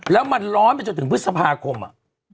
แล้วมันร้อนไปจนถึงพฤษภาคมอ่ะ